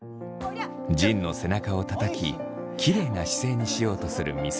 仁の背中をたたききれいな姿勢にしようとする美里。